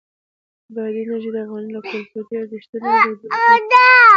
بادي انرژي د افغانانو له کلتوري ارزښتونو او دودونو سره پوره تړاو لري.